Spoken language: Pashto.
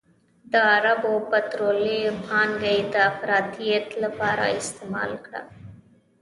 د عربو پطرولي پانګه یې د افراطیت لپاره استعمال کړه.